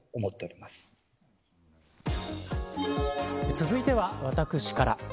続いては私から。